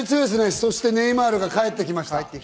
そしてネイマールが帰ってきました。